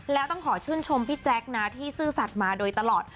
แล้วต้องขอชื่นชมพี่แจ๊คนะที่ซื่อสัตว์มาโดยตลอด